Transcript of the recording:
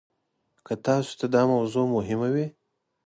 که تاسو ته دا موضوع مهمه وي.